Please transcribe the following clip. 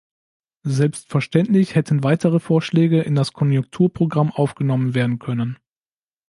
Selbstverständlich hätten weitere Vorschläge in das Konjunkturprogramm aufgenommen werden können.